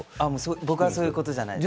僕はそういうことじゃないです。